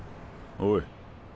・おい。